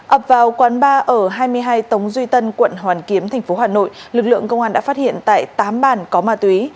ập vào quán ba ở hai mươi hai tống duy tân quận hoàn kiếm thành phố hà nội lực lượng công an đã phát hiện tại tám bàn có ma túy